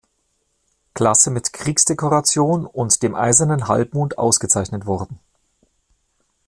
Klasse mit Kriegsdekoration und dem Eisernen Halbmond ausgezeichnet worden.